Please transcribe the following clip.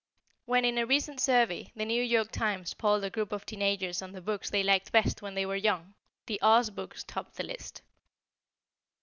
When, in a recent survey, The New York Times polled a group of teen agers on the books they liked best when they were young, the Oz books topped the list.